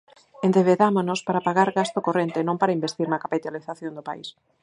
Endebedámonos para pagar gasto corrente e non para investir na capitalización do país.